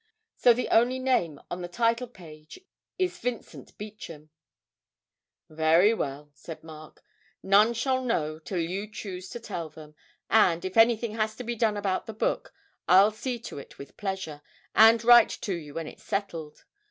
So the only name on the title page is "Vincent Beauchamp."' 'Very well,' said Mark, 'none shall know till you choose to tell them, and, if anything has to be done about the book, I'll see to it with pleasure, and write to you when it's settled.